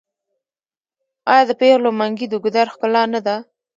آیا د پیغلو منګي د ګودر ښکلا نه ده؟